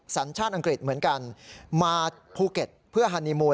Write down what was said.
สัญชาติอังกฤษเหมือนกันมาภูเก็ตเพื่อฮานีมูล